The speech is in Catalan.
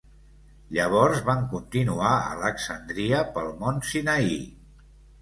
Llavors van continuar a Alexandria pel Mont Sinai.